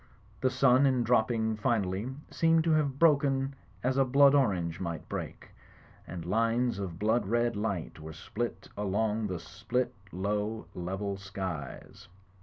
The sun, in dropping finally, seemed to have broken as a blood orange might break ; and lines of blood red light were spilt along the split, low, level skies.